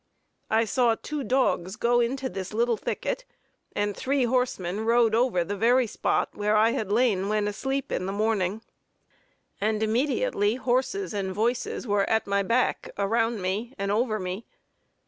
I saw two dogs go into this little thicket, and three horsemen rode over the very spot where I had lain when asleep in the morning and immediately horses and voices were at my back around me, and over me.